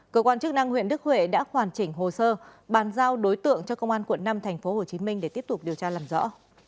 cơ quan chức năng huyện đức huệ đã hoàn chỉnh hồ sơ bàn giao đối tượng cho công an quận năm tp hcm để tiếp tục điều tra làm rõ